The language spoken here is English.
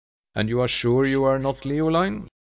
"And you are sure you are not Leoline?"